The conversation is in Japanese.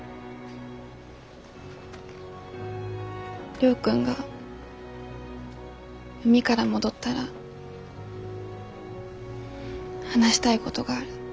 亮君が海から戻ったら話したいごどがある。